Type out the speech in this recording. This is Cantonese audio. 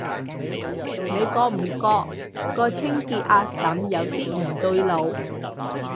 你覺唔覺個清潔阿嬸有啲唔對路？